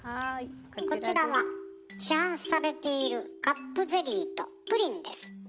こちらは市販されているカップゼリーとプリンです。